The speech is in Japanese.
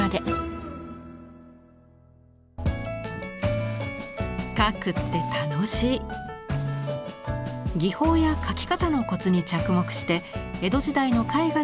技法や描き方のコツに着目して江戸時代の絵画の魅力に迫る展覧会です。